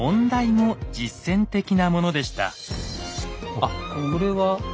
あっこれは。